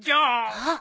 あっ！